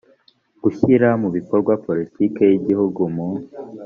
gushyira mu bikorwa politiki y igihugu mu